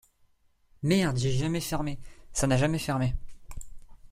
Merde j’ai jamais fermé, ça n’a jamais fermé.